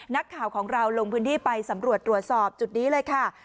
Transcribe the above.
นักข่าวของเราลงพื้นที่ไปสำรวจตรวจสอบจุดนี้เลยค่ะ